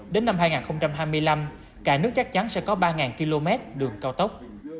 đến năm hai nghìn hai mươi năm cả nước chắc chắn sẽ có ba km đường cao tốc